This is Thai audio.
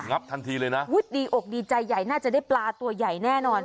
ับทันทีเลยนะอุ้ยดีอกดีใจใหญ่น่าจะได้ปลาตัวใหญ่แน่นอน